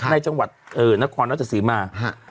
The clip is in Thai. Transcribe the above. ในจังหวัดนครราชสีมา